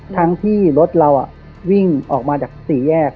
ทั้งที่รถเราวิ่งออกมาจากสี่แยก